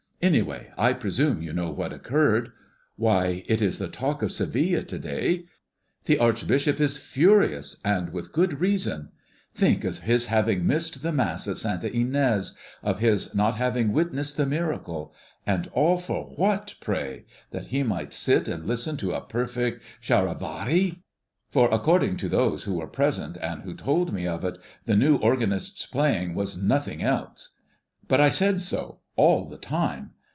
Anyway, I presume you know what occurred. Why, it is the talk of Seville to day. The archbishop is furious, and with good reason. Think of his having missed the Mass at Santa Inés, of his not having witnessed the miracle; and all for what, pray? That he might sit and listen to a perfect charivari; for according to those who were present and who told me of it, the new organist's playing was nothing else. But I said so all the time.